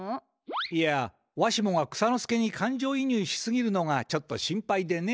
いやわしもが草ノ助に感じょういにゅうしすぎるのがちょっと心配でね。